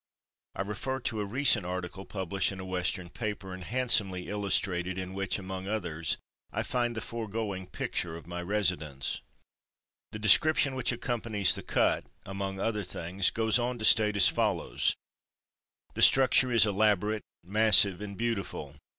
I refer to a recent article published in a Western paper and handsomely illustrated, in which, among others, I find the foregoing picture of my residence: The description which accompanies the cut, among other things, goes on to state as follows: "The structure is elaborate, massive and beautiful.